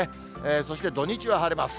そして土日は晴れます。